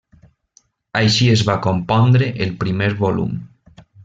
Així es va compondre el primer volum.